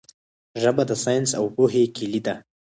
ژبه د ساینس او پوهې کیلي ده.